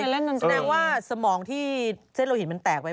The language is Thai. แสดงว่าสมองที่เส้นโรหิ้นมันแตกไป